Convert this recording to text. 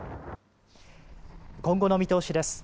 今後の見通しです。